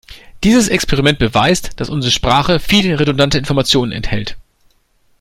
Dieses Experiment beweist, dass unsere Sprache viel redundante Information enthält.